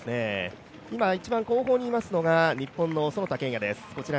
今一番、後方にいますのが日本の其田健也です。